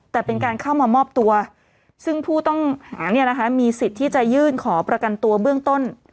แต่เป็นการเข้ามามอบตัวสิทธิ์ซึ่งผู้มีสิทธิ์ที่จะยื่นประกันตัวเบื้องต้น